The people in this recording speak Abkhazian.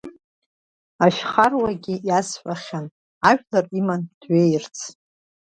Ашьхаруагьы иасҳәахьан, ажәлар иманы дҩеирц.